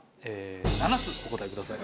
７つお答えください。